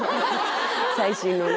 最新のね